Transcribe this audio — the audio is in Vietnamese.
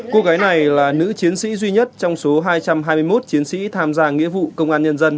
cô gái này là nữ chiến sĩ duy nhất trong số hai trăm hai mươi một chiến sĩ tham gia nghĩa vụ công an nhân dân